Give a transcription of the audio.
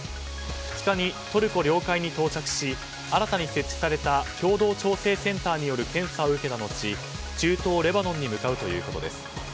２日にトルコ領海に到着し新たに設置された共同調整センターによる検査を受けたのち中東レバノンに向かうということです。